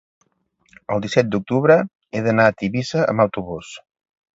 el disset d'octubre he d'anar a Tivissa amb autobús.